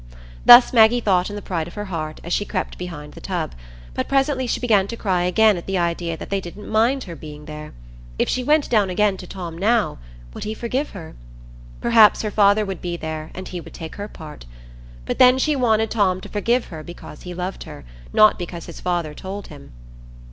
Thus Maggie thought in the pride of her heart, as she crept behind the tub; but presently she began to cry again at the idea that they didn't mind her being there. If she went down again to Tom now—would he forgive her? Perhaps her father would be there, and he would take her part. But then she wanted Tom to forgive her because he loved her, not because his father told him.